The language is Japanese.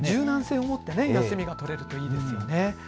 柔軟性を持って休みが取れるのはいいですよね。